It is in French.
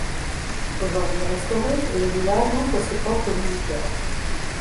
Aujourd’hui restauré, le village ouvre ses portes aux visiteurs.